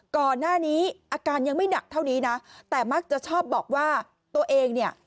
ก่อนหน้านี้อาการยังไม่หนักเท่านี้นะแต่มักจะชอบบอกว่าตัวเองเนี่ย